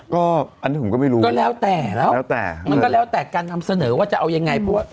ก็อันนี้ผมก็ไม่รู้ก็แล้วแต่แล้วแต่มันก็แล้วแต่การนำเสนอว่าจะเอายังไงเพราะว่า